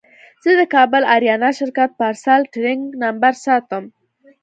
زه د کابل اریانا شرکت پارسل ټرېک نمبر ساتم.